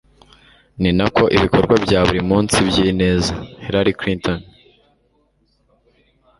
ni nako ibikorwa bya buri munsi byineza.” —Hillary Clinton